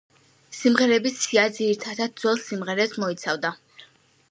სიმღერების სია, ძირითადად, ძველ სიმღერებს მოიცავდა.